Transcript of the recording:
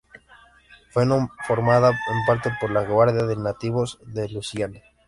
Fue formada en parte por la Guardia de Nativos de Luisiana.